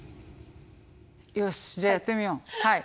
よしじゃあやってみよう。